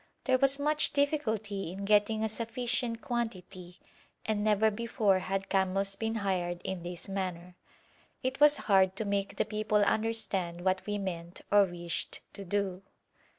There was much difficulty in getting a sufficient quantity, and never before had camels been hired in this manner. It was hard to make the people understand what we meant or wished to do.